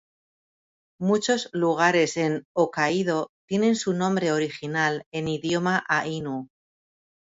Muchos lugares en Hokkaido tienen su nombre original en idioma ainu.